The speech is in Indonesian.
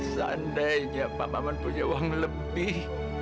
sandainya pak maman punya uang lebih